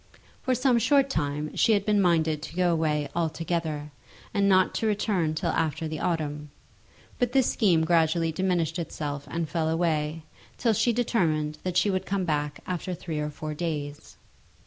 For some short time she had been minded to go away altogether, and not to return till after the autumn; but this scheme gradually diminished itself and fell away, till she determined that she would come back after three or four days.